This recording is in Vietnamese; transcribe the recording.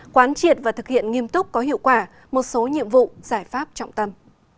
quán triệt và thực hiện nghiêm túc có hiệu quả một số nhiệm vụ giải pháp trọng tâm